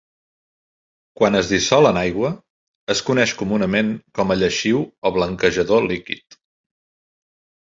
Quan es dissol en aigua, es coneix comunament com a lleixiu o blanquejador líquid.